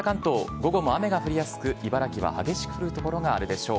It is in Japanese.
午後も雨が降りやすく、茨城は激しく降る所があるでしょう。